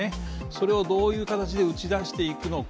それをどういう形で打ち出していくのか